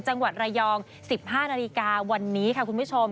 จังหวัดระยอง๑๕นาฬิกาวันนี้ค่ะคุณผู้ชม